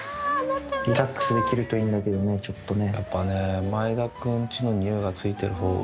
リラックスできるといいんだけどねちょっとね。